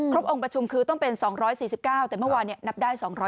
องค์ประชุมคือต้องเป็น๒๔๙แต่เมื่อวานนับได้๒๐๐